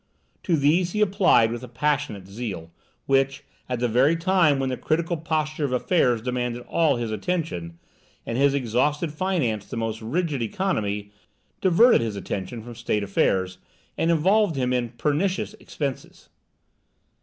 To these he applied with a passionate zeal, which, at the very time when the critical posture of affairs demanded all his attention, and his exhausted finances the most rigid economy, diverted his attention from state affairs, and involved him in pernicious expenses.